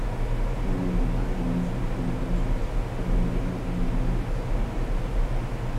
Но это также очень хрупкое чувство, которое нужно лелеять и беречь.